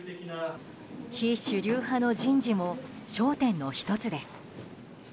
非主流派の人事も焦点の１つです。